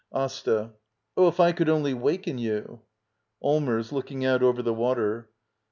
Asta. Oh, if I could only waken you! Allmers. [Looking out over the water.